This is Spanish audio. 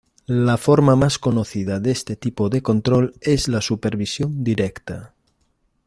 La forma más conocida de este tipo de control es la supervisión directa.